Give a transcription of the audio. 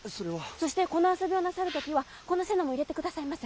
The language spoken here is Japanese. そしてこの遊びをなさる時はこの瀬名も入れてくださいませ！